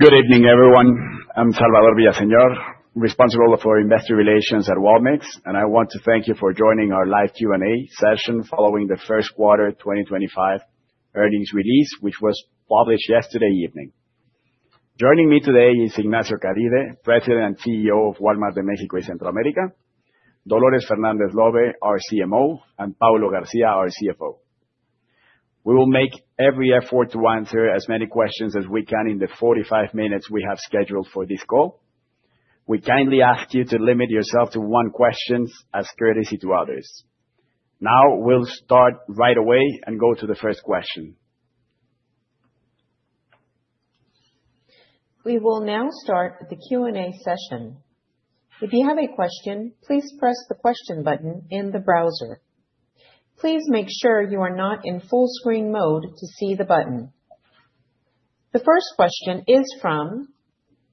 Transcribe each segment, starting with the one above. Good evening, everyone. I'm Salvador Villaseñor, responsible for investor relations at Walmart, and I want to thank you for joining our live Q&A session following the first quarter 2025 earnings release, which was published yesterday evening. Joining me today is Ignacio Caride, President and CEO of Walmart de México y Centroamérica, Dolores Fernández Lobbe, our CMO, and Paulo Garcia, our CFO. We will make every effort to answer as many questions as we can in the 45 minutes we have scheduled for this call. We kindly ask you to limit yourself to one question as courtesy to others. Now we'll start right away and go to the first question. We will now start the Q&A session. If you have a question, please press the question button in the browser. Please make sure you are not in full screen mode to see the button. The first question is from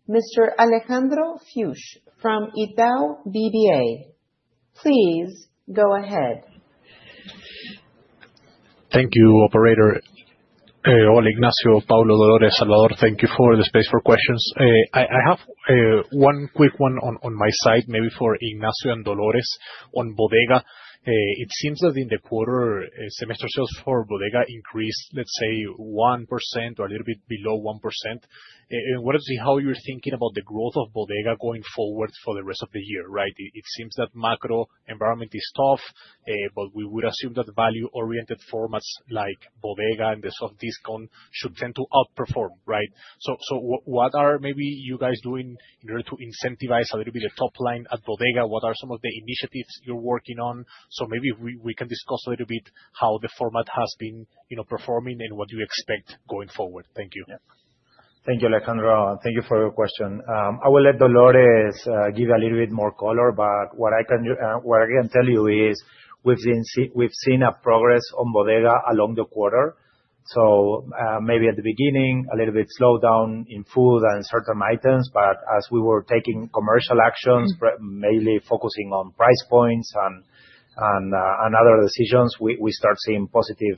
Mr. Alejandro Fuchs from Itaú BBA. Please go ahead. Thank you, Operator. Hi, Ignacio, Paulo, Dolores, Salvador. Thank you for the space for questions. I have one quick one on my side, maybe for Ignacio and Dolores. On Bodega, it seems that in the quarter, semester sales for Bodega increased, let's say, 1% or a little bit below 1%. I wanted to see how you're thinking about the growth of Bodega going forward for the rest of the year, right? It seems that macro environment is tough, but we would assume that value-oriented formats like Bodega and the soft discount should tend to outperform, right? What are maybe you guys doing in order to incentivize a little bit the top line at Bodega? What are some of the initiatives you're working on? Maybe we can discuss a little bit how the format has been performing and what you expect going forward. Thank you. Thank you, Alejandro. Thank you for your question. I will let Dolores give a little bit more color, but what I can tell you is we've seen progress on Bodega along the quarter. Maybe at the beginning, a little bit slowed down in food and certain items, but as we were taking commercial actions, mainly focusing on price points and other decisions, we start seeing positive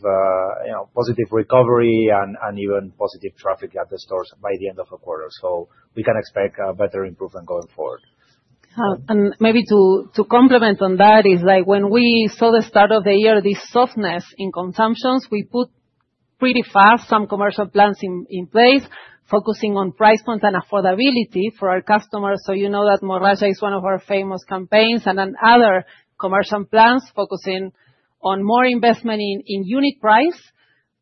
recovery and even positive traffic at the stores by the end of the quarter. We can expect a better improvement going forward. Maybe to complement on that is, when we saw the start of the year, this softness in consumption, we put pretty fast some commercial plans in place, focusing on price points and affordability for our customers. You know that Morralla is one of our famous campaigns and then other commercial plans focusing on more investment in unit price,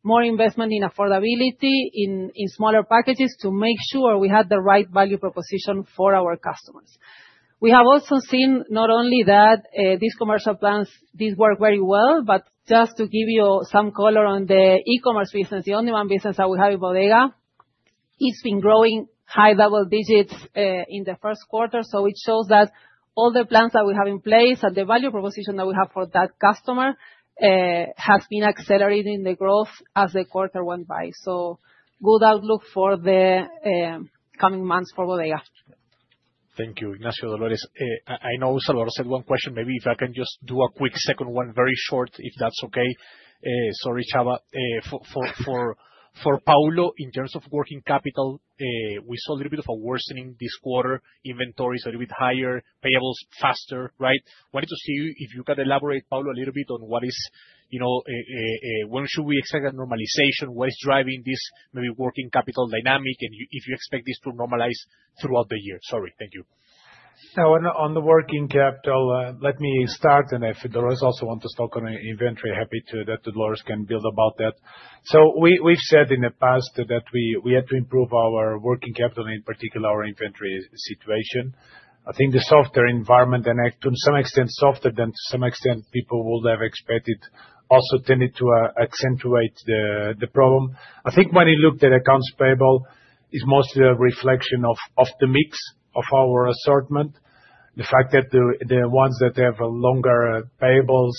more investment in affordability in smaller packages to make sure we had the right value proposition for our customers. We have also seen not only that these commercial plans work very well, but just to give you some color on the e-commerce business, the only one business that we have in Bodega, it has been growing high double digits in the first quarter. It shows that all the plans that we have in place and the value proposition that we have for that customer has been accelerating the growth as the quarter went by. Good outlook for the coming months for Bodega. Thank you, Ignacio, Dolores. I know Salvador said one question. Maybe if I can just do a quick second one, very short, if that's okay. Sorry, Chava. For Paulo, in terms of working capital, we saw a little bit of a worsening this quarter. Inventory is a little bit higher, payables faster, right? Wanted to see if you could elaborate, Paulo, a little bit on what is, when should we expect that normalization, what is driving this maybe working capital dynamic, and if you expect this to normalize throughout the year. Sorry, thank you. On the working capital, let me start, and if Dolores also wants to talk on inventory, happy that Dolores can build about that. We have said in the past that we had to improve our working capital, in particular our inventory situation. I think the softer environment, and to some extent softer than people would have expected, also tended to accentuate the problem. I think when you looked at accounts payable, it is mostly a reflection of the mix of our assortment. The fact that the ones that have longer payables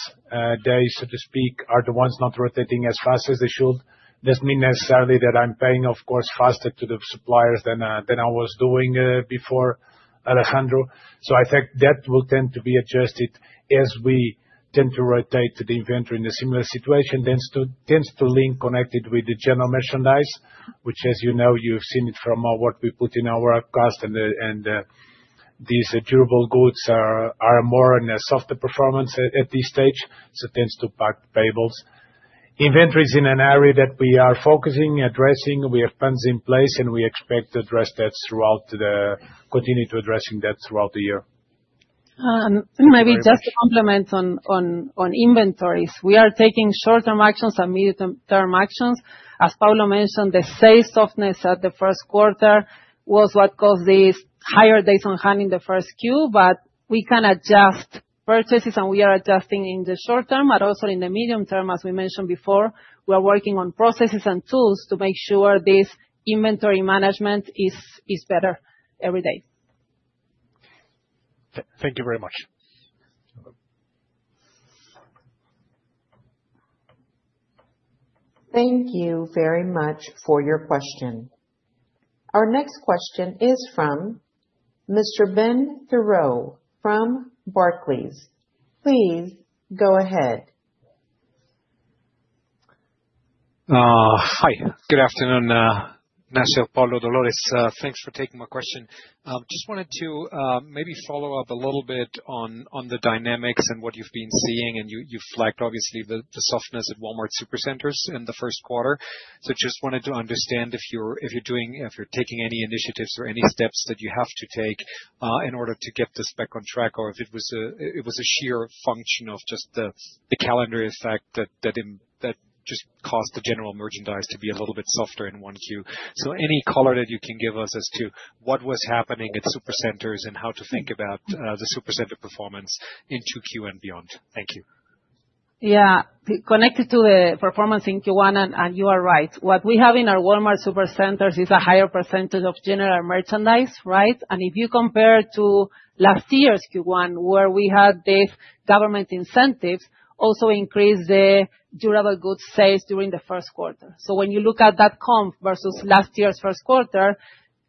days, so to speak, are the ones not rotating as fast as they should does not mean necessarily that I am paying, of course, faster to the suppliers than I was doing before, Alejandro. I think that will tend to be adjusted as we tend to rotate to the inventory in a similar situation. Tends to link, connected with the general merchandise, which, as you know, you've seen it from what we put in our cost, and these durable goods are more in a softer performance at this stage. Tends to pack payables. Inventory is in an area that we are focusing, addressing. We have plans in place, and we expect to address that throughout the, continue to addressing that throughout the year. Maybe just to complement on inventories, we are taking short-term actions and medium-term actions. As Paulo mentioned, the sales softness at the first quarter was what caused these higher days on hand in the first quarter, but we can adjust purchases, and we are adjusting in the short term, but also in the medium term, as we mentioned before. We are working on processes and tools to make sure this inventory management is better every day. Thank you very much. Thank you very much for your question. Our next question is from Mr. Ben Theurer from Barclays. Please go ahead. Hi, good afternoon, Ignacio, Paulo, Dolores. Thanks for taking my question. Just wanted to maybe follow up a little bit on the dynamics and what you've been seeing, and you flagged obviously the softness at Walmart Supercenters in the first quarter. Just wanted to understand if you're taking any initiatives or any steps that you have to take in order to get this back on track, or if it was a sheer function of just the calendar effect that just caused the general merchandise to be a little bit softer in 1Q. Any color that you can give us as to what was happening at Supercenters and how to think about the Supercenter performance into 2Q and beyond. Thank you. Yeah, connected to the performance in Q1, and you are right. What we have in our Walmart Supercenters is a higher percentage of general merchandise, right? If you compare to last year's Q1, where we had these government incentives also increase the durable goods sales during the first quarter. When you look at that comp versus last year's first quarter,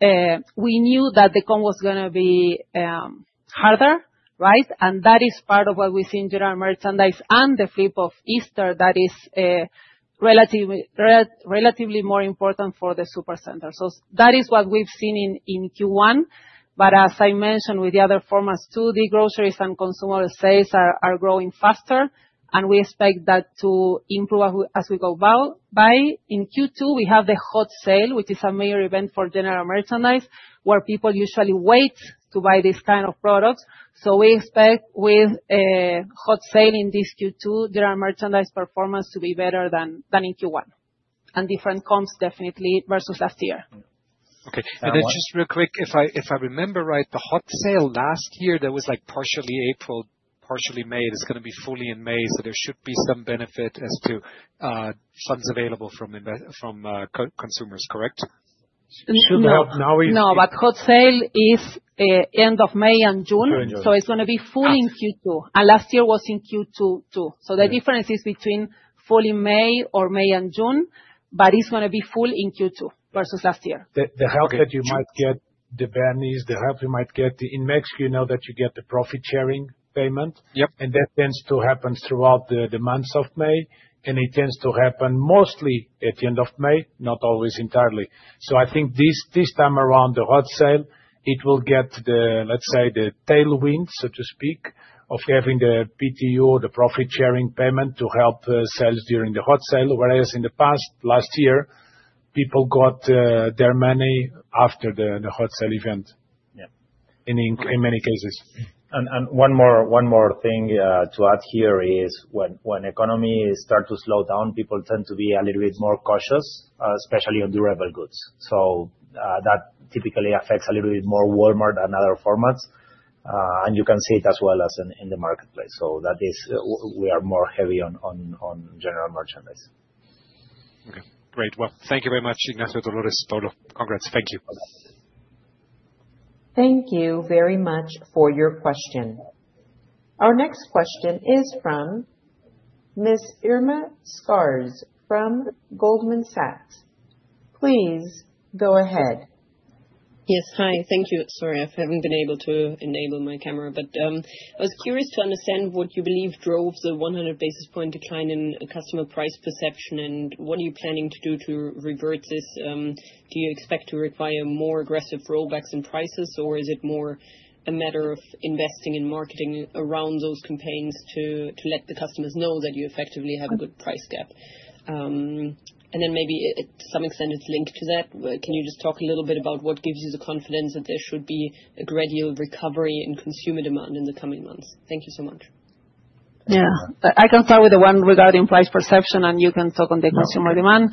we knew that the comp was going to be harder, right? That is part of what we see in general merchandise and the flip of Easter that is relatively more important for the Supercenter. That is what we've seen in Q1. As I mentioned with the other formats too, the groceries and consumer sales are growing faster, and we expect that to improve as we go by. In Q2, we have the Hot Sale, which is a major event for general merchandise, where people usually wait to buy these kinds of products. We expect with Hot Sale in this Q2, general merchandise performance to be better than in Q1. Different comps definitely versus last year. Okay. Just real quick, if I remember right, the Hot Sale last year, that was like partially April, partially May, it is going to be fully in May. There should be some benefit as to funds available from consumers, correct? No, but Hot Sale is end of May and June. It is going to be fully in Q2. Last year was in Q2 too. The difference is between fully May or May and June, but it is going to be full in Q2 versus last year. The help that you might get, the Ben is the help you might get in Mexico, you know that you get the profit sharing payment. That tends to happen throughout the months of May. It tends to happen mostly at the end of May, not always entirely. I think this time around the hot sale, it will get the, let's say, the tailwind, so to speak, of having the PTU or the profit sharing payment to help sales during the hot sale. Whereas in the past, last year, people got their money after the hot sale event, in many cases. One more thing to add here is when economy starts to slow down, people tend to be a little bit more cautious, especially on durable goods. That typically affects a little bit more Walmart and other formats. You can see it as well as in the marketplace. That is, we are more heavy on general merchandise. Okay, great. Thank you very much, Ignacio, Dolores, Paulo. Congrats. Thank you. Thank you very much for your question. Our next question is from Ms. Irma Sgarz from Goldman Sachs. Please go ahead. Yes, hi. Thank you. Sorry, I haven't been able to enable my camera, but I was curious to understand what you believe drove the 100 basis point decline in customer price perception, and what are you planning to do to revert this? Do you expect to require more aggressive rollbacks in prices, or is it more a matter of investing in marketing around those campaigns to let the customers know that you effectively have a good price gap? Maybe to some extent, it's linked to that. Can you just talk a little bit about what gives you the confidence that there should be a gradual recovery in consumer demand in the coming months? Thank you so much. Yeah, I can start with the one regarding price perception, and you can talk on the consumer demand.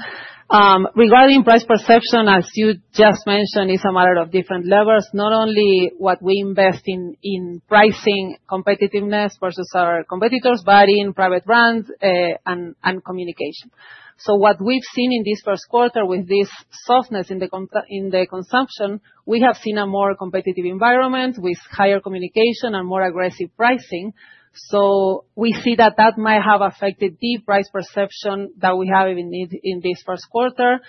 Regarding price perception, as you just mentioned, it's a matter of different levels. Not only what we invest in pricing competitiveness versus our competitors, but in private brands and communication. What we've seen in this first quarter with this softness in the consumption, we have seen a more competitive environment with higher communication and more aggressive pricing. We see that that might have affected the price perception that we have in this first quarter.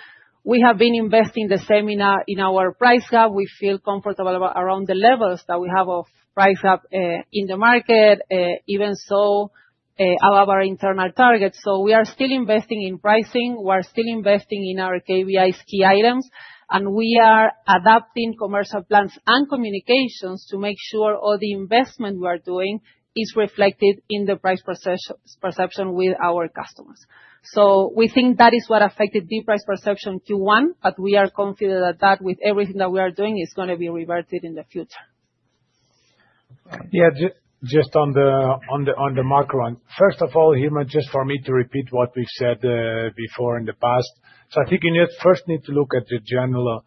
We have been investing the same in our price gap. We feel comfortable around the levels that we have of price gap in the market, even so above our internal target. We are still investing in pricing. We're still investing in our KVI key items, and we are adapting commercial plans and communications to make sure all the investment we are doing is reflected in the price perception with our customers. We think that is what affected the price perception Q1, but we are confident that with everything that we are doing it is going to be reverted in the future. Yeah, just on the macro. First of all, Irma, just for me to repeat what we've said before in the past. I think you first need to look at the general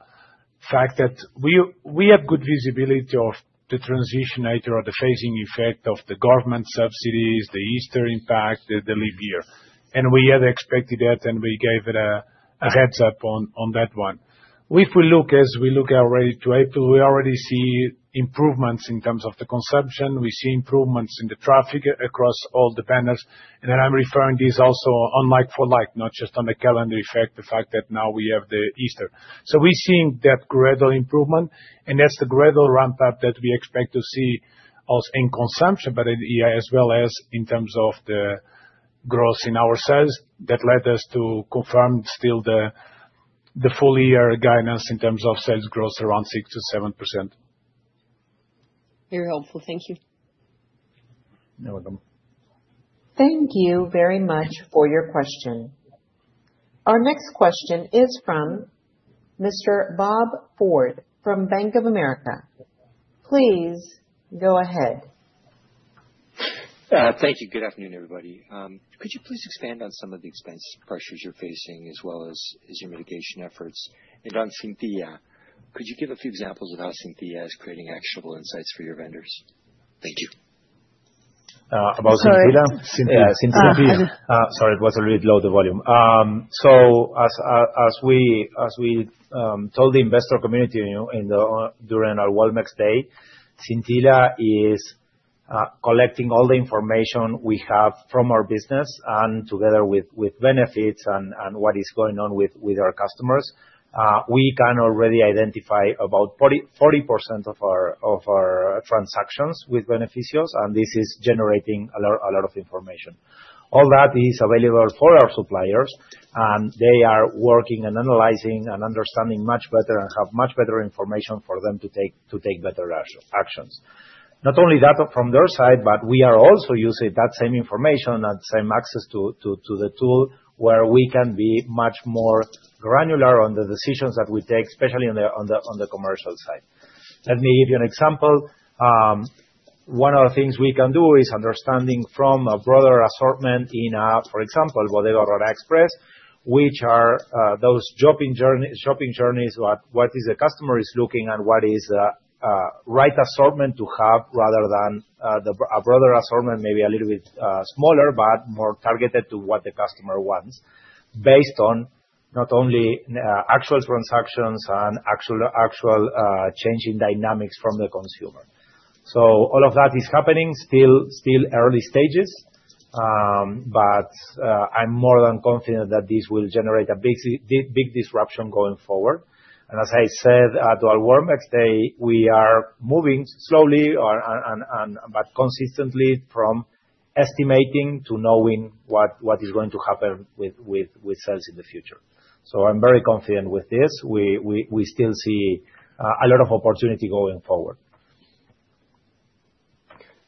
fact that we have good visibility of the transitory nature or the phasing effect of the government subsidies, the Easter impact, the leap year. We had expected that, and we gave a heads up on that one. If we look as we look already to April, we already see improvements in terms of the consumption. We see improvements in the traffic across all the banners. I am referring this also on like for like, not just on the calendar effect, the fact that now we have the Easter. We're seeing that gradual improvement, and that's the gradual ramp up that we expect to see in consumption, as well as in terms of the growth in our sales that led us to confirm still the full year guidance in terms of sales growth around 6-7%. Very helpful. Thank you. You're welcome. Thank you very much for your question. Our next question is from Mr. Bob Ford from Bank of America. Please go ahead. Thank you. Good afternoon, everybody. Could you please expand on some of the expense pressures you're facing as well as your mitigation efforts? On Cynthia is collecting all the information we have from our business, and together with benefits, could you give a few examples of how Cynthia is creating actionable insights for your vendors? Thank you. About Cynthia? Yeah, Cynthia. Sorry, it was a little bit low, the volume. As we told the investor community during our Walmart Day, Cynthia is collecting all the information we have from our business, and together with benefits and what is going on with our customers, we can already identify about 40% of our transactions with beneficios, and this is generating a lot of information. All that is available for our suppliers, and they are working and analyzing and understanding much better and have much better information for them to take better actions. Not only that from their side, but we are also using that same information and same access to the tool where we can be much more granular on the decisions that we take, especially on the commercial side. Let me give you an example. One of the things we can do is understanding from a broader assortment in, for example, Bodega Aurrera Express, which are those shopping journeys, what is the customer is looking and what is the right assortment to have rather than a broader assortment, maybe a little bit smaller, but more targeted to what the customer wants based on not only actual transactions and actual changing dynamics from the consumer. All of that is happening, still early stages, but I'm more than confident that this will generate a big disruption going forward. As I said, at our Walmart Day, we are moving slowly, but consistently from estimating to knowing what is going to happen with sales in the future. I'm very confident with this. We still see a lot of opportunity going forward.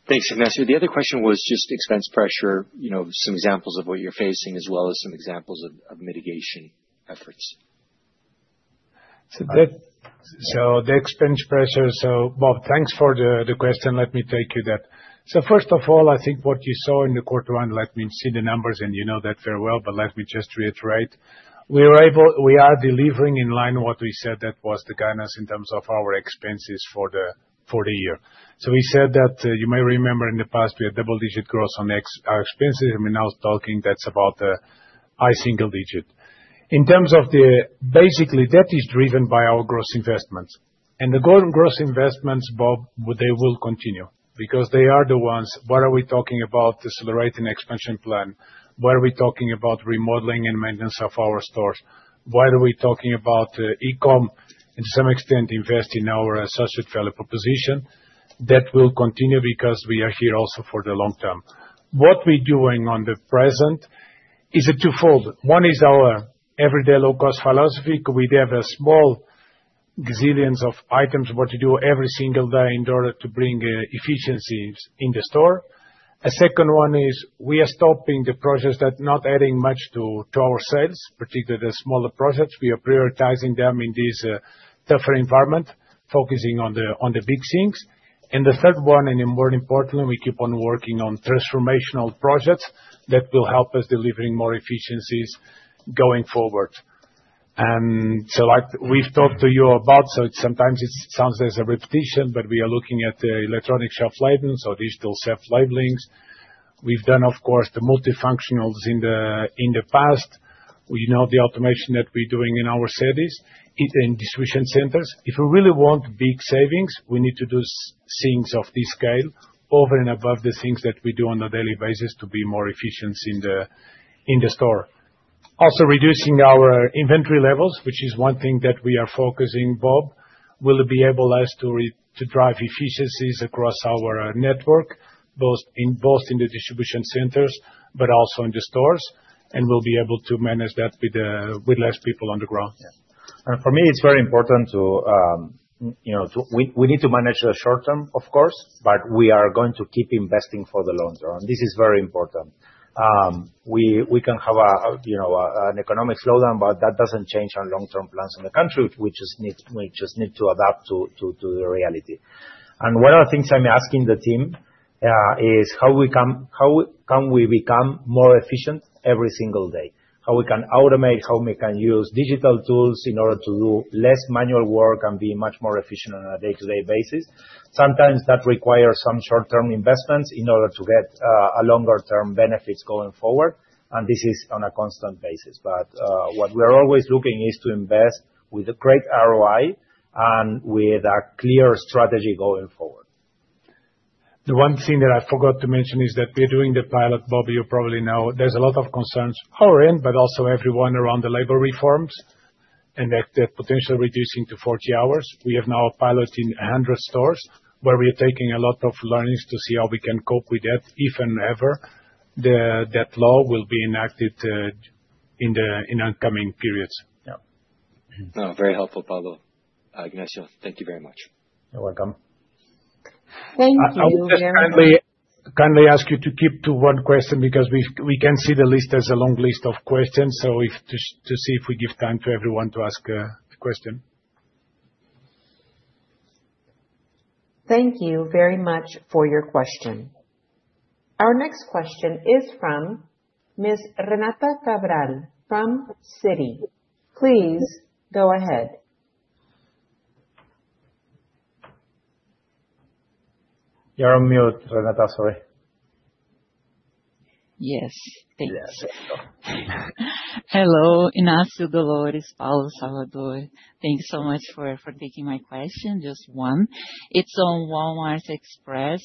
Thanks, Ignacio. The other question was just expense pressure, some examples of what you're facing as well as some examples of mitigation efforts. The expense pressure, Bob, thanks for the question. Let me take you that. First of all, I think what you saw in quarter one, let me see the numbers and you know that very well, but let me just reiterate. We are delivering in line what we said that was the guidance in terms of our expenses for the year. We said that you may remember in the past we had double-digit growth on our expenses. I mean, now talking that's about a high single digit. In terms of the basically, that is driven by our gross investments. The gross investments, Bob, they will continue because they are the ones, what are we talking about, accelerating expansion plan, what are we talking about, remodeling and maintenance of our stores, what are we talking about, e-comm, and to some extent invest in our associate value proposition. That will continue because we are here also for the long term. What we're doing on the present is a twofold. One is our everyday low-cost philosophy. We have a small resilience of items what to do every single day in order to bring efficiencies in the store. A second one is we are stopping the projects that are not adding much to our sales, particularly the smaller projects. We are prioritizing them in this tougher environment, focusing on the big things. The third one, and more importantly, we keep on working on transformational projects that will help us delivering more efficiencies going forward. Like we've talked to you about, sometimes it sounds there's a repetition, but we are looking at electronic shelf labelings or digital shelf labelings. We've done, of course, the multifunctionals in the past. We know the automation that we're doing in our cities and distribution centers. If we really want big savings, we need to do things of this scale over and above the things that we do on a daily basis to be more efficient in the store. Also reducing our inventory levels, which is one thing that we are focusing, Bob, will enable us to drive efficiencies across our network, both in the distribution centers, but also in the stores, and we'll be able to manage that with less people on the ground. For me, it's very important to we need to manage the short term, of course, but we are going to keep investing for the long term. This is very important. We can have an economic slowdown, but that doesn't change our long-term plans in the country. We just need to adapt to the reality. One of the things I'm asking the team is how can we become more efficient every single day? How we can automate, how we can use digital tools in order to do less manual work and be much more efficient on a day-to-day basis. Sometimes that requires some short-term investments in order to get longer-term benefits going forward. This is on a constant basis. What we are always looking is to invest with a great ROI and with a clear strategy going forward. The one thing that I forgot to mention is that we're doing the pilot, Bob, you probably know. There are a lot of concerns on our end, but also everyone around the labor reforms and that potentially reducing to 40 hours. We have now a pilot in 100 stores where we are taking a lot of learnings to see how we can cope with that if and ever that law will be enacted in the incoming periods. Yeah. Very helpful, Paulo. Ignacio, thank you very much. You're welcome. Thank you. I will just kindly ask you to keep to one question because we can see the list is a long list of questions. To see if we give time to everyone to ask a question. Thank you very much for your question. Our next question is from Ms. Renata Cabral from Citi. Please go ahead. You're on mute, Renata. Sorry. Yes. Thank you. Hello. Ignacio, Dolores, Paulo, Salvador. Thank you so much for taking my question. Just one. It is on Walmart Express.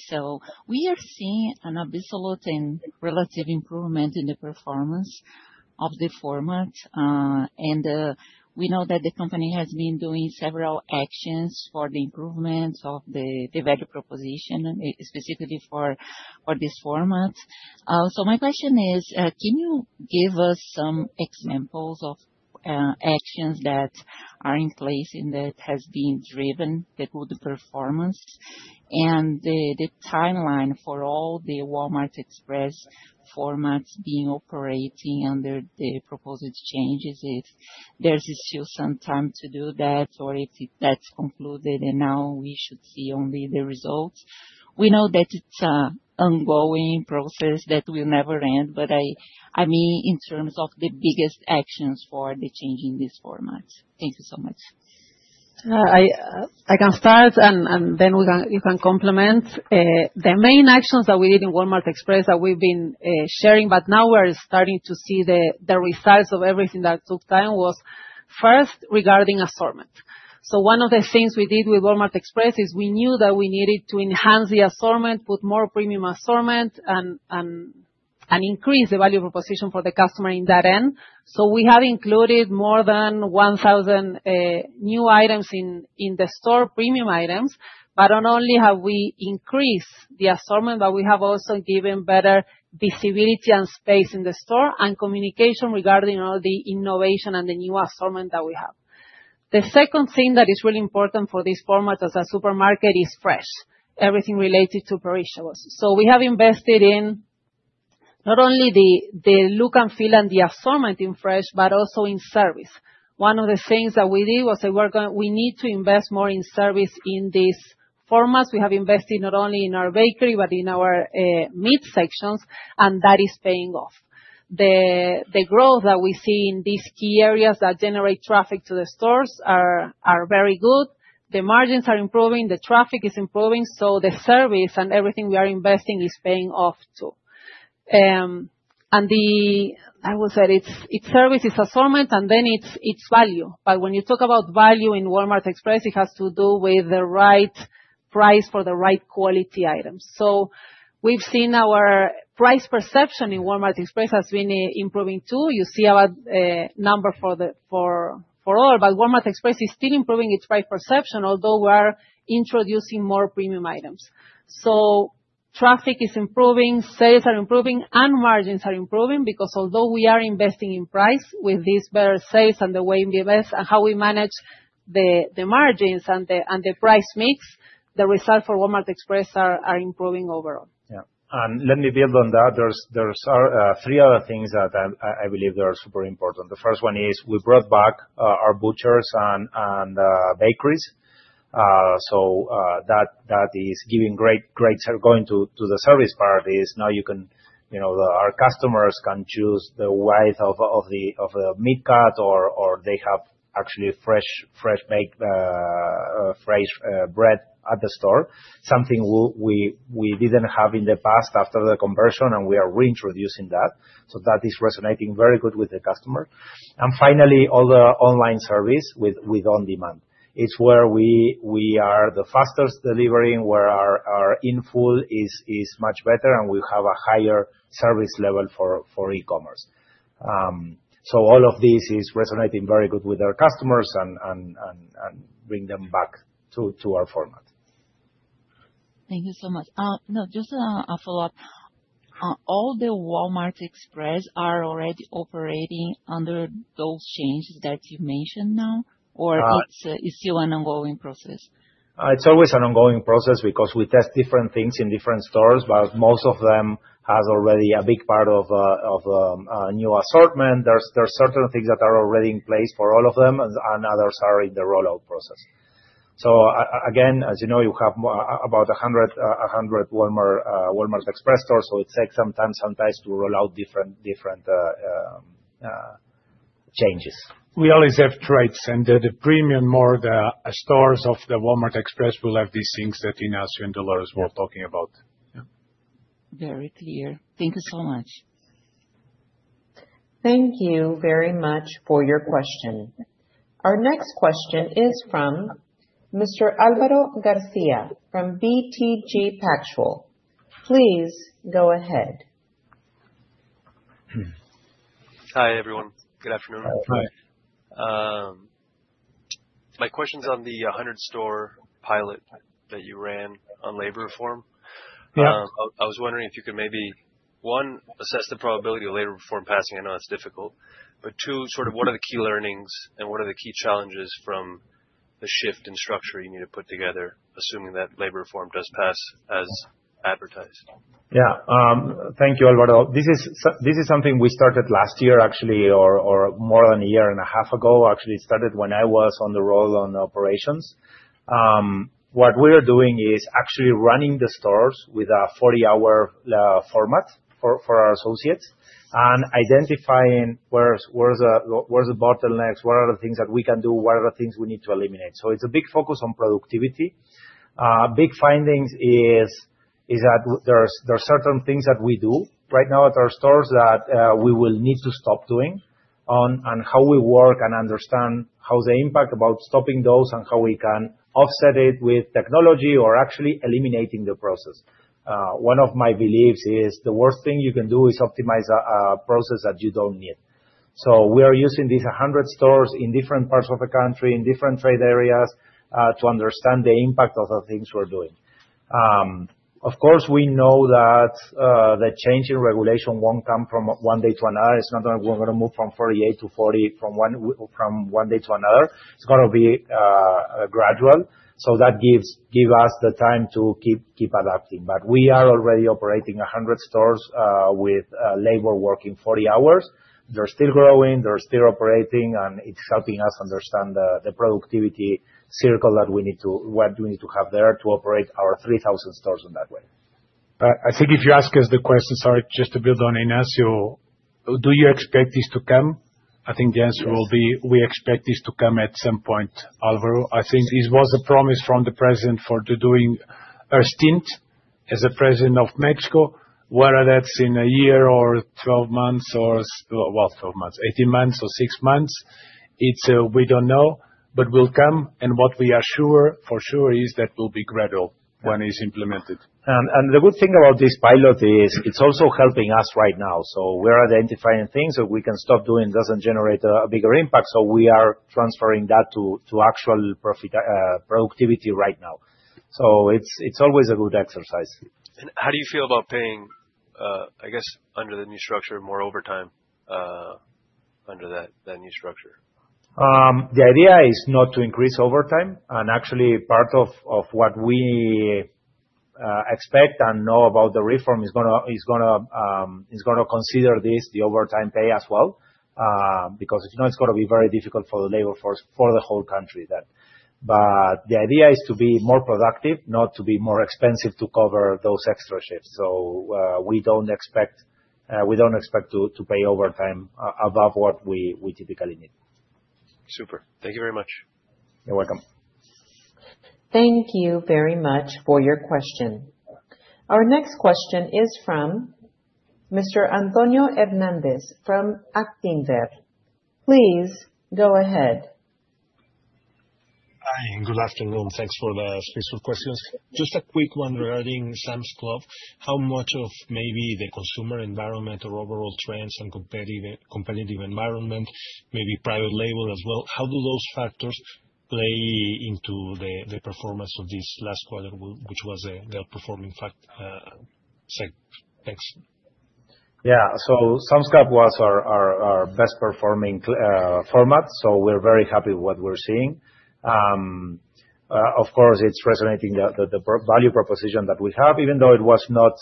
We are seeing an absolute and relative improvement in the performance of the format. We know that the company has been doing several actions for the improvement of the value proposition, specifically for this format. My question is, can you give us some examples of actions that are in place and that have been driven with the performance and the timeline for all the Walmart Express formats being operating under the proposed changes? If there is still some time to do that or if that is concluded and now we should see only the results. We know that it is an ongoing process that will never end, but I mean in terms of the biggest actions for the change in this format. Thank you so much. I can start and then you can complement. The main actions that we did in Walmart Express that we've been sharing, but now we're starting to see the results of everything that took time, was first regarding assortment. One of the things we did with Walmart Express is we knew that we needed to enhance the assortment, put more premium assortment, and increase the value proposition for the customer in that end. We have included more than 1,000 new items in the store, premium items, but not only have we increased the assortment, we have also given better visibility and space in the store and communication regarding all the innovation and the new assortment that we have. The second thing that is really important for this format as a supermarket is fresh, everything related to perishables. We have invested in not only the look and feel and the assortment in fresh, but also in service. One of the things that we did was we need to invest more in service in these formats. We have invested not only in our bakery, but in our meat sections, and that is paying off. The growth that we see in these key areas that generate traffic to the stores are very good. The margins are improving. The traffic is improving. The service and everything we are investing is paying off too. I will say it's service, it's assortment, and then it's value. When you talk about value in Walmart Express, it has to do with the right price for the right quality items. We've seen our price perception in Walmart Express has been improving too. You see our number for all, but Walmart Express is still improving its price perception, although we are introducing more premium items. Traffic is improving, sales are improving, and margins are improving because although we are investing in price with these better sales and the way we invest and how we manage the margins and the price mix, the results for Walmart Express are improving overall. Yeah. Let me build on that. There are three other things that I believe are super important. The first one is we brought back our butchers and bakeries. That is giving great, going to the service part, as now our customers can choose the width of the meat cut or they have actually fresh baked bread at the store, something we did not have in the past after the conversion, and we are reintroducing that. That is resonating very well with the customer. Finally, all the online service with on-demand, it is where we are the fastest delivering, where our infill is much better, and we have a higher service level for e-commerce. All of this is resonating very well with our customers and bringing them back to our format. Thank you so much. No, just a follow-up. All the Walmart Express are already operating under those changes that you mentioned now, or is it still an ongoing process? It's always an ongoing process because we test different things in different stores, but most of them have already a big part of new assortment. There are certain things that are already in place for all of them and others are in the rollout process. Again, as you know, you have about 100 Walmart Express stores, so it takes some time sometimes to roll out different changes. We always have trades and the premium more the stores of the Walmart Express will have these things that Ignacio and Dolores were talking about. Very clear. Thank you so much. Thank you very much for your question. Our next question is from Mr. Alvaro Garcia from BTG Pactual. Please go ahead. Hi everyone. Good afternoon. My question is on the 100-store pilot that you ran on labor reform. I was wondering if you could maybe, one, assess the probability of labor reform passing. I know that's difficult. Two, sort of what are the key learnings and what are the key challenges from the shift in structure you need to put together, assuming that labor reform does pass as advertised? Yeah. Thank you, Alvaro. This is something we started last year, actually, or more than a year and a half ago. Actually, it started when I was on the role on operations. What we are doing is actually running the stores with a 40-hour format for our associates and identifying where's the bottlenecks, what are the things that we can do, what are the things we need to eliminate. It is a big focus on productivity. Big findings is that there are certain things that we do right now at our stores that we will need to stop doing and how we work and understand how they impact about stopping those and how we can offset it with technology or actually eliminating the process. One of my beliefs is the worst thing you can do is optimize a process that you do not need. We are using these 100 stores in different parts of the country, in different trade areas to understand the impact of the things we're doing. Of course, we know that the change in regulation won't come from one day to another. It's not that we're going to move from 48 to 40 from one day to another. It's going to be gradual. That gives us the time to keep adapting. We are already operating 100 stores with labor working 40 hours. They're still growing. They're still operating. It's helping us understand the productivity circle that we need to have there to operate our 3,000 stores in that way. I think if you ask us the question, sorry, just to build on Ignacio, do you expect this to come? I think the answer will be we expect this to come at some point, Álvaro. I think this was a promise from the president for doing a stint as a president of Mexico, whether that's in a year or 12 months, or 12 months, 18 months or six months. We do not know, but it will come. What we are sure for sure is that it will be gradual when it is implemented. The good thing about this pilot is it's also helping us right now. We are identifying things that we can stop doing that do not generate a bigger impact. We are transferring that to actual productivity right now. It is always a good exercise. How do you feel about paying, I guess, under the new structure more overtime under that new structure? The idea is not to increase overtime. Actually, part of what we expect and know about the reform is going to consider this, the overtime pay as well. It is going to be very difficult for the labor force for the whole country then. The idea is to be more productive, not to be more expensive to cover those extra shifts. We do not expect to pay overtime above what we typically need. Super. Thank you very much. You're welcome. Thank you very much for your question. Our next question is from Mr. Antonio Hernandez from Actinver. Please go ahead. Hi. Good afternoon. Thanks for the special questions. Just a quick one regarding Sam's Club. How much of maybe the consumer environment or overall trends and competitive environment, maybe private label as well, how do those factors play into the performance of this last quarter, which was the outperforming sector? Yeah. Sam's Club was our best-performing format. We are very happy with what we're seeing. Of course, it's resonating, the value proposition that we have, even though it was not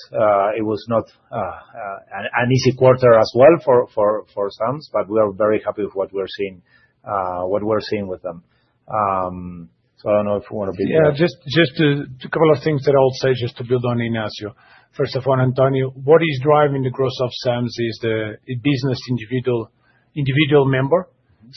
an easy quarter as well for Sam's, but we are very happy with what we're seeing with them. I don't know if you want to be there. Yeah. Just a couple of things that I'll say just to build on Ignacio. First of all, Antonio, what is driving the growth of Sam's is the business individual member.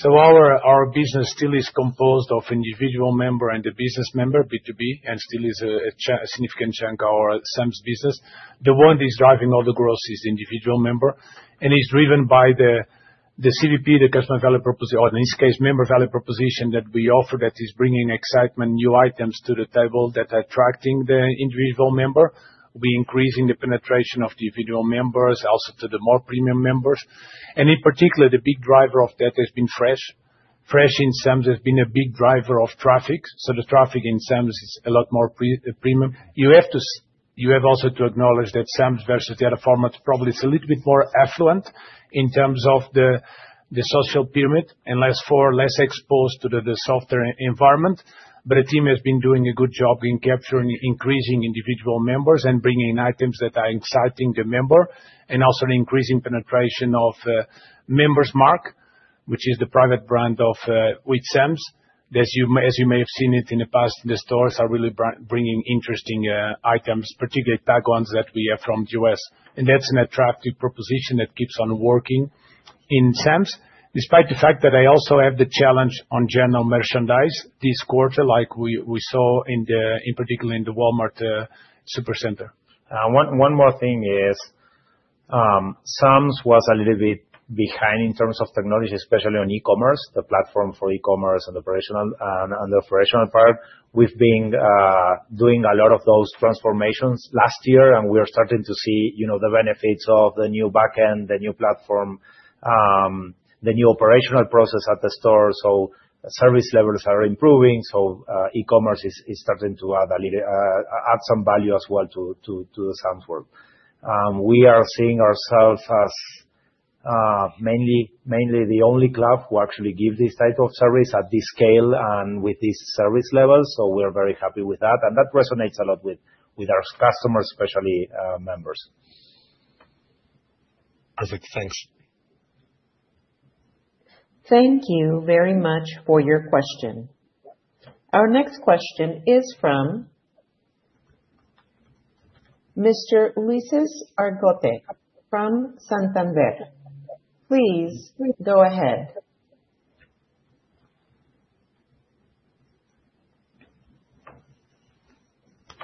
Our business still is composed of individual member and the business member, B2B, and still is a significant chunk of our Sam's business. The one that is driving all the growth is the individual member. It's driven by the CVP, the customer value proposition, or in this case, member value proposition that we offer that is bringing excitement, new items to the table that are attracting the individual member. We're increasing the penetration of the individual members also to the more premium members. In particular, the big driver of that has been fresh. Fresh in Sam's has been a big driver of traffic. The traffic in Sam's is a lot more premium. You have also to acknowledge that Sam's versus the other formats, probably it's a little bit more affluent in terms of the social pyramid and less exposed to the softer environment. The team has been doing a good job in capturing, increasing individual members and bringing in items that are exciting the member and also increasing penetration of Member's Mark, which is the private brand of Sam's. As you may have seen it in the past, the stores are really bringing interesting items, particularly tag ones that we have from the U.S. That is an attractive proposition that keeps on working in Sam's, despite the fact that I also have the challenge on general merchandise this quarter, like we saw in particular in the Walmart Supercenter. One more thing is Sam's was a little bit behind in terms of technology, especially on e-commerce, the platform for e-commerce and the operational part. We've been doing a lot of those transformations last year, and we are starting to see the benefits of the new backend, the new platform, the new operational process at the store. Service levels are improving. E-commerce is starting to add some value as well to the Sam's world. We are seeing ourselves as mainly the only club who actually gives this type of service at this scale and with this service level. We are very happy with that. That resonates a lot with our customers, especially members. Perfect. Thanks. Thank you very much for your question. Our next question is from Mr. Ulises Argote from Santander. Please go ahead.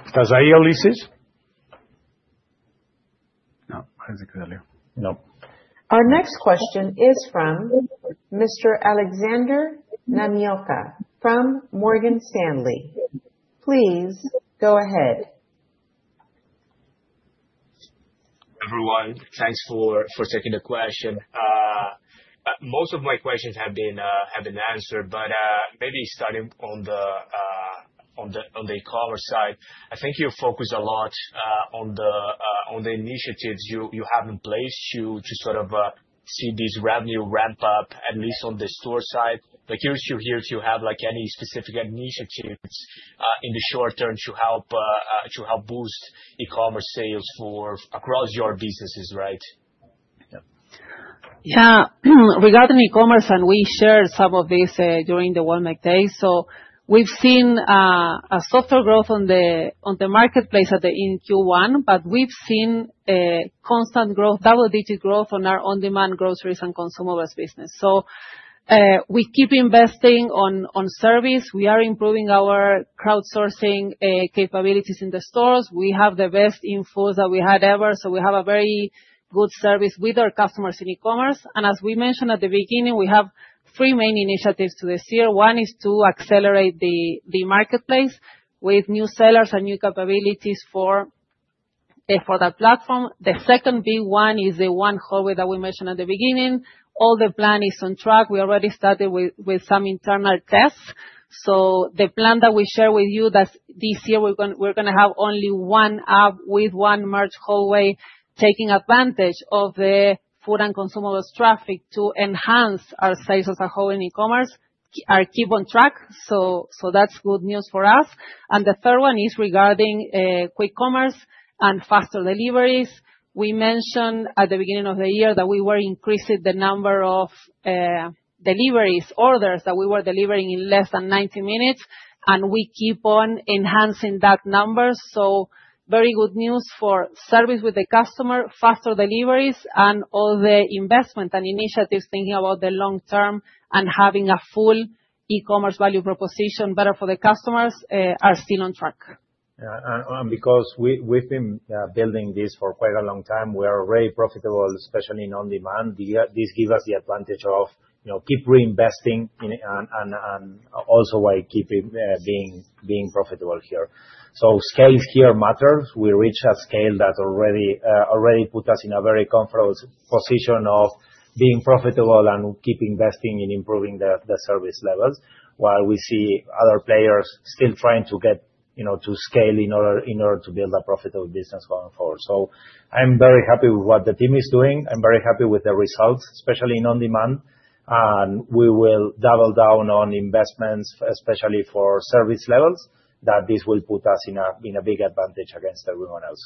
Está ahí. Ulises? No. No. Our next question is from Mr. Alexander Namioka from Morgan Stanley. Please go ahead. Everyone, thanks for taking the question. Most of my questions have been answered, maybe starting on the e-commerce side, I think you focus a lot on the initiatives you have in place to sort of see this revenue ramp up, at least on the store side. Curious to hear if you have any specific initiatives in the short term to help boost e-commerce sales across your businesses, right? Yeah. Regarding e-commerce, and we shared some of this during the Walmart Days. We have seen a softer growth on the marketplace at the Q1, but we have seen constant growth, double-digit growth on our on-demand groceries and consumables business. We keep investing on service. We are improving our crowdsourcing capabilities in the stores. We have the best infills that we have ever had. We have a very good service with our customers in e-commerce. As we mentioned at the beginning, we have three main initiatives for this year. One is to accelerate the marketplace with new sellers and new capabilities for that platform. The second big one is the one hallway that we mentioned at the beginning. All the plan is on track. We already started with some internal tests. The plan that we share with you this year, we're going to have only one app with one merch hallway taking advantage of the food and consumables traffic to enhance our sales as a whole in e-commerce. Are keep on track. That's good news for us. The third one is regarding quick commerce and faster deliveries. We mentioned at the beginning of the year that we were increasing the number of deliveries, orders that we were delivering in less than 90 minutes. We keep on enhancing that number. Very good news for service with the customer, faster deliveries, and all the investment and initiatives thinking about the long term and having a full e-commerce value proposition better for the customers are still on track. Yeah. Because we've been building this for quite a long time, we are already profitable, especially in on-demand. This gives us the advantage to keep reinvesting and also why we keep being profitable here. Scale here matters. We reach a scale that already puts us in a very comfortable position of being profitable and keep investing in improving the service levels while we see other players still trying to scale in order to build a profitable business going forward. I am very happy with what the team is doing. I am very happy with the results, especially in on-demand. We will double down on investments, especially for service levels, as this will put us in a big advantage against everyone else.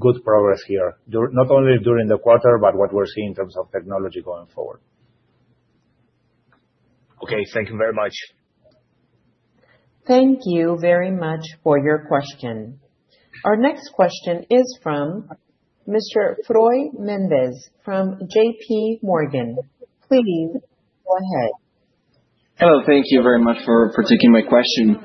Good progress here, not only during the quarter, but what we're seeing in terms of technology going forward. Okay. Thank you very much. Thank you very much for your question. Our next question is from Mr. Froylan Mendez from JPMorgan. Please go ahead. Hello. Thank you very much for taking my question.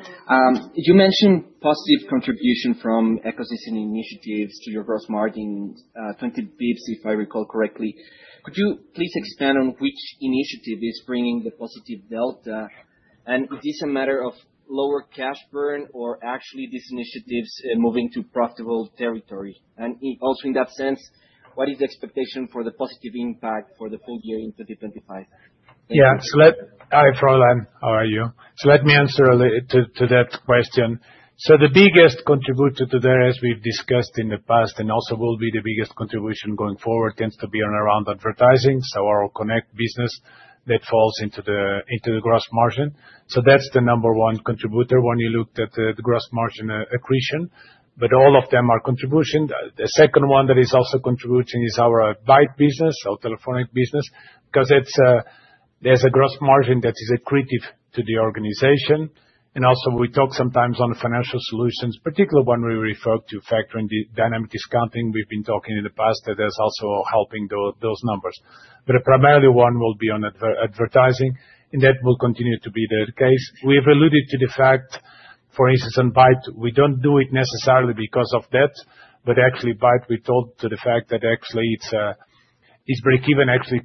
You mentioned positive contribution from ecosystem initiatives to your gross margin, 20 basis points, if I recall correctly. Could you please expand on which initiative is bringing the positive delta? Is this a matter of lower cash burn or actually these initiatives moving to profitable territory? Also in that sense, what is the expectation for the positive impact for the full year in 2025? Yeah. Hi, Froylan. How are you? Let me answer to that question. The biggest contributor to that, as we've discussed in the past and also will be the biggest contribution going forward, tends to be around advertising, so our Connect business that falls into the gross margin. That's the number one contributor when you look at the gross margin accretion. All of them are contribution. The second one that is also contributing is our Bait business, our telephonic business, because there's a gross margin that is accretive to the organization. Also, we talk sometimes on financial solutions, particularly when we refer to factoring, dynamic discounting. We've been talking in the past that that's also helping those numbers. Primarily, one will be on advertising. That will continue to be the case. We have alluded to the fact, for instance, on Bait, we do not do it necessarily because of that. Actually, Bait, we talked to the fact that actually it is breakeven, actually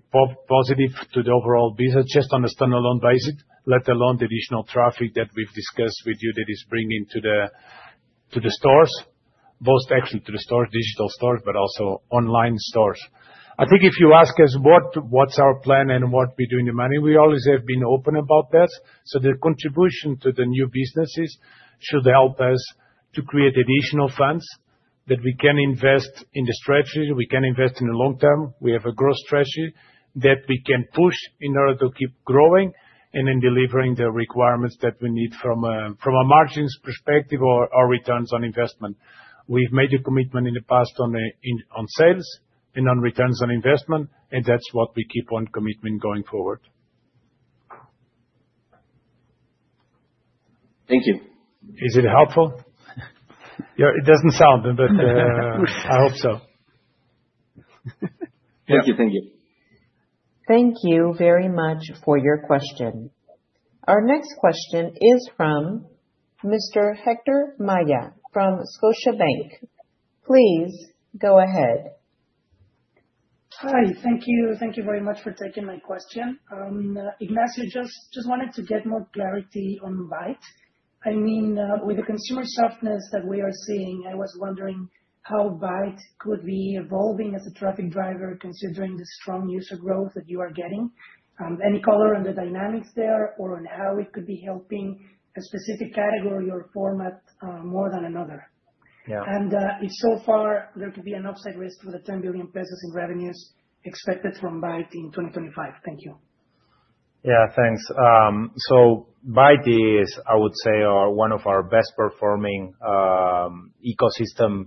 positive to the overall business, just on a standalone basis, let alone the additional traffic that we have discussed with you that it is bringing to the stores, both actually to the stores, digital stores, but also online stores. I think if you ask us what is our plan and what we do in the money, we always have been open about that. The contribution to the new businesses should help us to create additional funds that we can invest in the strategy. We can invest in the long term. We have a growth strategy that we can push in order to keep growing and then delivering the requirements that we need from a margins perspective or returns on investment. We've made a commitment in the past on sales and on returns on investment, and that's what we keep on commitment going forward. Thank you. Is it helpful? It doesn't sound, but I hope so. Thank you. Thank you. Thank you very much for your question. Our next question is from Mr. Héctor Maya from Scotiabank. Please go ahead. Hi. Thank you. Thank you very much for taking my question. Ignacio, just wanted to get more clarity on Bait. I mean, with the consumer softness that we are seeing, I was wondering how Bait could be evolving as a traffic driver considering the strong user growth that you are getting, any color on the dynamics there or on how it could be helping a specific category or format more than another. If so far, there could be an upside risk for the 10 billion pesos in revenues expected from Bait in 2025. Thank you. Yeah. Thanks. Bait is, I would say, one of our best-performing ecosystem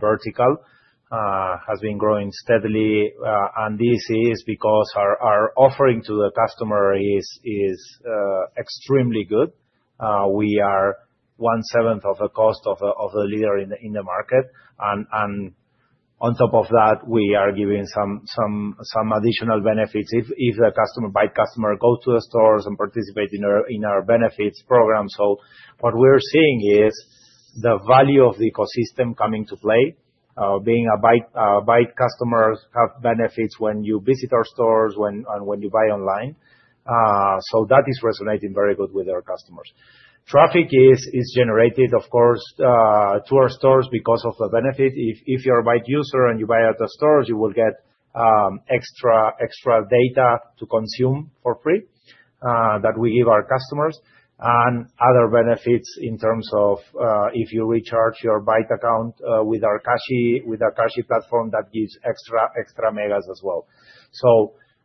verticals. It has been growing steadily. This is because our offering to the customer is extremely good. We are one-seventh of the cost of the leader in the market. On top of that, we are giving some additional benefits if the Bait customer goes to the stores and participates in our benefits program. What we are seeing is the value of the ecosystem coming to play, being a Bait customer has benefits when you visit our stores and when you buy online. That is resonating very well with our customers. Traffic is generated, of course, to our stores because of the benefit. If you're a Bait user and you buy at the stores, you will get extra data to consume for free that we give our customers and other benefits in terms of if you recharge your Bait account with our Cashi platform, that gives extra megas as well.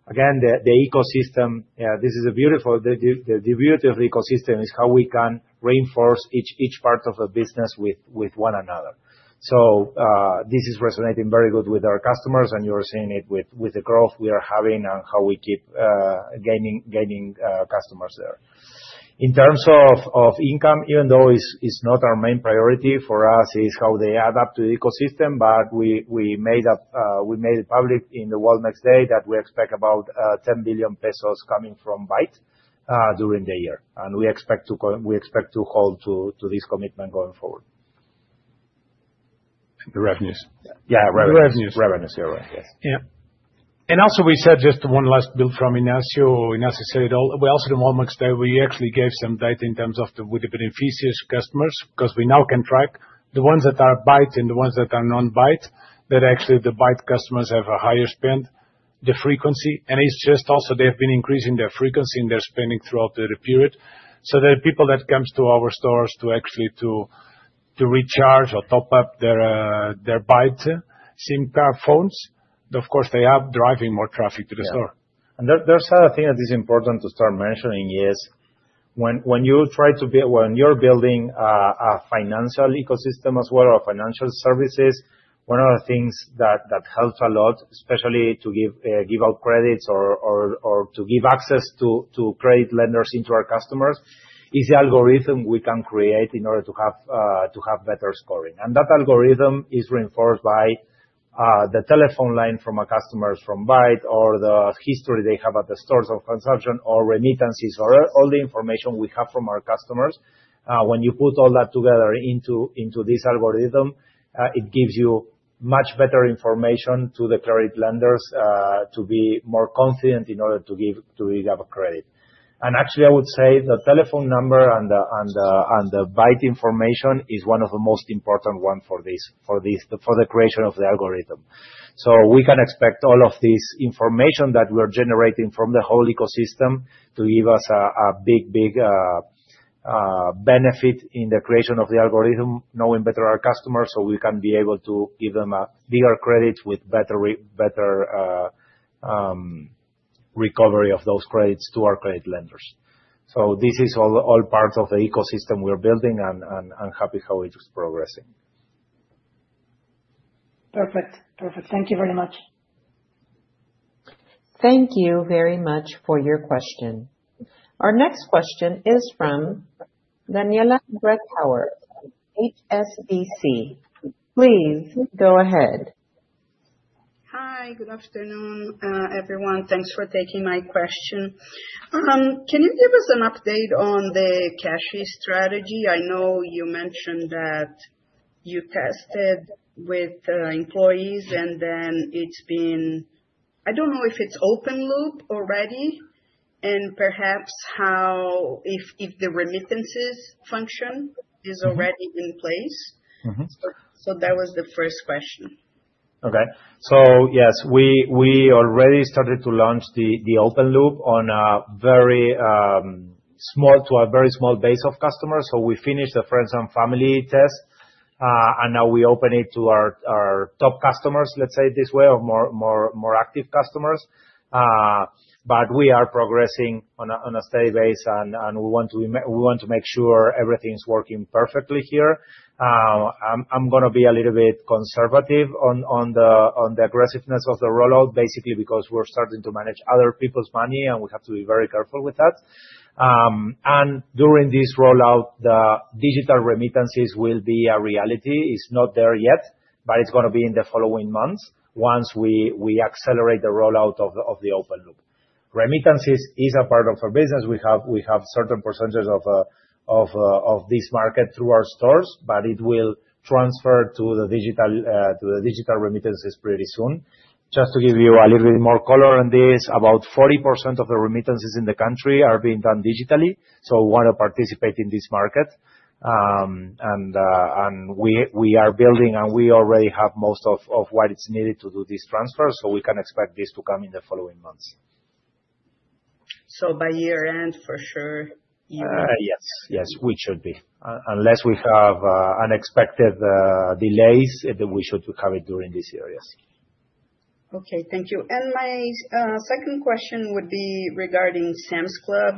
The ecosystem, this is a beautiful ecosystem, is how we can reinforce each part of the business with one another. This is resonating very well with our customers, and you're seeing it with the growth we are having and how we keep gaining customers there. In terms of income, even though it's not our main priority for us, it's how they add up to the ecosystem, but we made it public in the Walmart Day that we expect about 10 billion pesos coming from Bait during the year. We expect to hold to this commitment going forward. The revenues. Yeah, revenues. The revenues. Revenues, you're right. Yes. Yeah. We said just one last bit from Ignacio. Ignacio said it all. We also did a Walmart Day. We actually gave some data in terms of the beneficiary customers because we now can track the ones that are Bait and the ones that are non-Bait, that actually the Bait customers have a higher spend, the frequency. It is just also they have been increasing their frequency and their spending throughout the period. The people that come to our stores to actually recharge or top up their Bait SIM card phones, of course, they are driving more traffic to the store. There's another thing that is important to start mentioning. When you try to build, when you're building a financial ecosystem as well or financial services, one of the things that helps a lot, especially to give out credits or to give access to credit lenders into our customers, is the algorithm we can create in order to have better scoring. That algorithm is reinforced by the telephone line from our customers from Bait or the history they have at the stores of consumption or remittances or all the information we have from our customers. When you put all that together into this algorithm, it gives you much better information to the credit lenders to be more confident in order to give up credit. Actually, I would say the telephone number and the Bait information is one of the most important ones for the creation of the algorithm. We can expect all of this information that we're generating from the whole ecosystem to give us a big, big benefit in the creation of the algorithm, knowing better our customers so we can be able to give them a bigger credit with better recovery of those credits to our credit lenders. This is all parts of the ecosystem we're building and happy how it's progressing. Perfect. Perfect. Thank you very much. Thank you very much for your question. Our next question is from Daniela Bretthauer, HSBC. Please go ahead. Hi. Good afternoon, everyone. Thanks for taking my question. Can you give us an update on the Cashi strategy? I know you mentioned that you tested with employees and then it's been, I don't know if it's open loop already, and perhaps how if the remittances function is already in place. That was the first question. Okay. Yes, we already started to launch the open loop on a very small base of customers. We finished the friends and family test, and now we open it to our top customers, let's say it this way, or more active customers. We are progressing on a steady base, and we want to make sure everything's working perfectly here. I'm going to be a little bit conservative on the aggressiveness of the rollout, basically because we're starting to manage other people's money, and we have to be very careful with that. During this rollout, the digital remittances will be a reality. It's not there yet, but it's going to be in the following months once we accelerate the rollout of the open loop. Remittances is a part of our business. We have certain percentages of this market through our stores, but it will transfer to the digital remittances pretty soon. Just to give you a little bit more color on this, about 40% of the remittances in the country are being done digitally. We want to participate in this market. We are building, and we already have most of what is needed to do this transfer. We can expect this to come in the following months. By year-end, for sure, you will. Yes. Yes, we should be. Unless we have unexpected delays, we should have it during this year. Yes. Okay. Thank you. My second question would be regarding Sam's Club.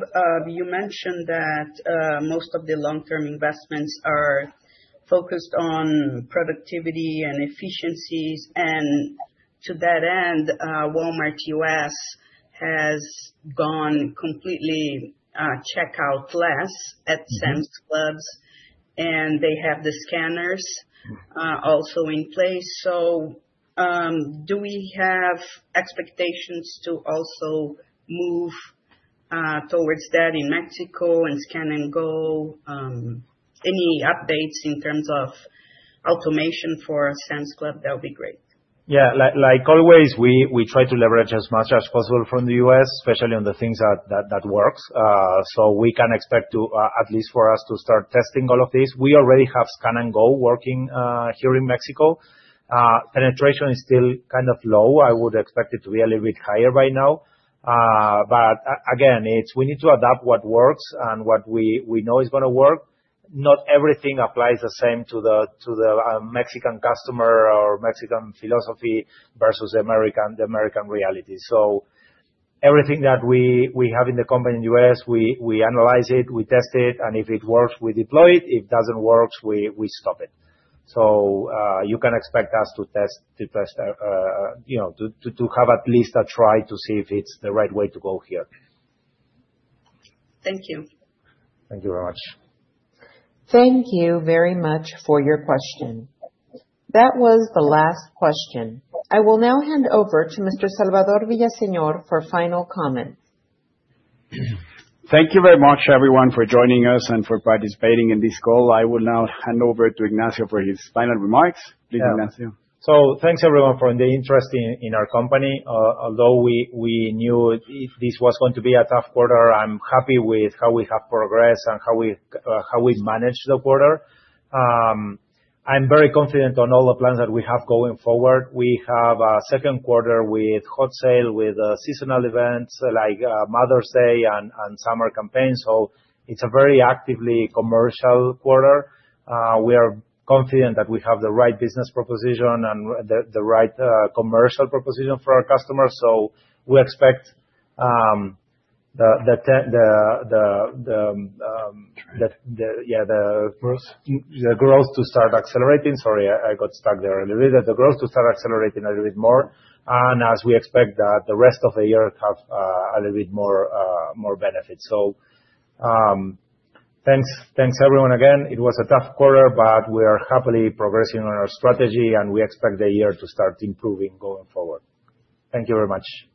You mentioned that most of the long-term investments are focused on productivity and efficiencies. To that end, Walmart US has gone completely checkout-less at Sam's Clubs, and they have the scanners also in place. Do we have expectations to also move towards that in Mexico and Scan & Go? Any updates in terms of automation for Sam's Club? That would be great. Yeah. Like always, we try to leverage as much as possible from the U.S., especially on the things that work. We can expect to, at least for us, to start testing all of this. We already have Scan & Go working here in Mexico. Penetration is still kind of low. I would expect it to be a little bit higher right now. Again, we need to adapt what works and what we know is going to work. Not everything applies the same to the Mexican customer or Mexican philosophy versus the American reality. Everything that we have in the company in the U.S., we analyze it, we test it, and if it works, we deploy it. If it does not work, we stop it. You can expect us to test, to have at least a try to see if it is the right way to go here. Thank you. Thank you very much. Thank you very much for your question. That was the last question. I will now hand over to Mr. Salvador Villaseñor for final comments. Thank you very much, everyone, for joining us and for participating in this call. I will now hand over to Ignacio for his final remarks. Please, Ignacio. Thank you, everyone, for the interest in our company. Although we knew this was going to be a tough quarter, I'm happy with how we have progressed and how we've managed the quarter. I'm very confident on all the plans that we have going forward. We have a second quarter with Hot Sale, with seasonal events like Mother's Day and summer campaign. It is a very actively commercial quarter. We are confident that we have the right business proposition and the right commercial proposition for our customers. We expect the. Growth. Yeah, the growth to start accelerating. Sorry, I got stuck there a little bit. The growth to start accelerating a little bit more. As we expect that the rest of the year have a little bit more benefits. Thanks, everyone, again. It was a tough quarter, but we are happily progressing on our strategy, and we expect the year to start improving going forward. Thank you very much. Great.